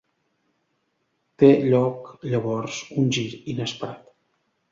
Té lloc llavors un gir inesperat.